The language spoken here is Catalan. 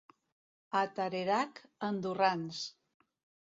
A Tarerac, andorrans.